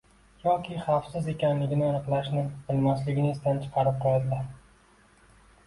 yoki xavfsiz ekanligini aniqlashni bilmasligini esdan chiqarib qo‘yadilar.